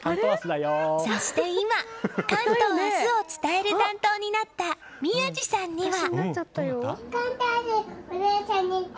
そして今、「関東明日」を伝える担当になった宮司さんには。